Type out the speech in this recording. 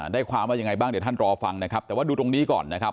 ได้ความว่ายังไงบ้างเดี๋ยวท่านรอฟังนะครับแต่ว่าดูตรงนี้ก่อนนะครับ